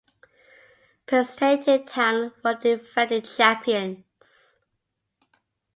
Prestatyn Town were the defending champions.